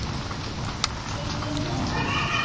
むらさき！